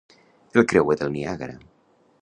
El creuer del Niagara.